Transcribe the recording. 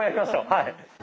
はい。